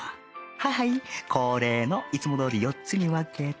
はいはい恒例のいつもどおり４つに分けて